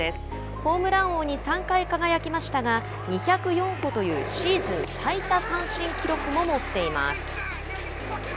ホームラン王に３回輝きましたが２０４個というシーズン最多三振記録も持っています。